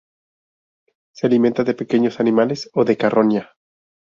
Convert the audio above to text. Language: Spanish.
Se alimenta de pequeños animales o de carroña.